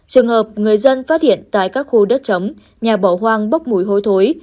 trường hợp người dân phát hiện tại các khu đất chống nhà bỏ hoang bốc mùi hôi thối